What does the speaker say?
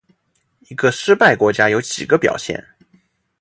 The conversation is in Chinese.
一个失败国家有几个表现。